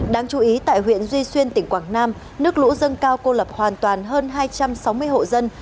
đáng chú ý tại huyện duy xuyên tỉnh quảng nam nước lũ dâng cao cô lập hoàn toàn hơn hai trăm sáu mươi hộ dân